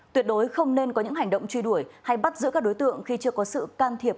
tuyệt đối không nên có những hành động truy đuổi hay bắt giữ các đối tượng khi chưa có sự can thiệp